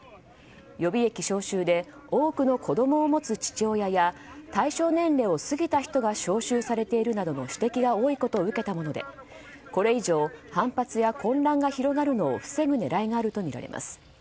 予備役招集で多くの子供を持つ父親や対象年齢を過ぎた人が招集されているなどの指摘が多いことを受けたものでこれ以上、反発や混乱が広がるのを防ぐ狙いがあるとみられます。